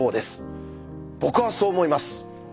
僕はそう思います。